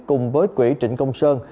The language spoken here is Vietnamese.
cùng với quỹ trịnh công sơn